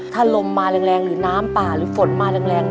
ถ้าลมมาแรงหรือน้ำป่าหรือฝนมาแรง